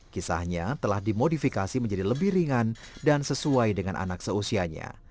kisahnya telah dimodifikasi menjadi lebih ringan dan sesuai dengan anak seusianya